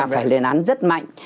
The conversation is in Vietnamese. phải lên án rất mạnh